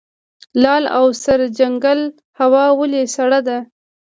لعل او سرجنګل هوا ولې سړه ده؟